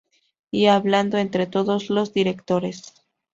Y hablando entre todos los directores.